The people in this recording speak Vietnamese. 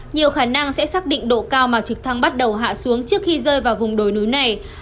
nhiều khả năng sẽ xác định độ cao mà trực thăng bắt đầu hạ xuống trước khi rơi vào vùng đồi núi này